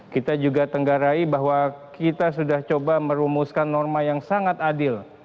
kita juga tenggarai bahwa kita sudah coba merumuskan norma yang sangat adil